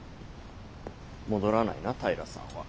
戻らないな平さんは。